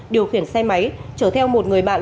điều khiển xe máy chở theo một người bạn